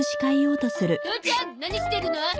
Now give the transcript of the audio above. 父ちゃん何してるの？